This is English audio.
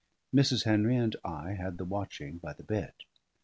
Mrs. Henry and I had the watching by the bed.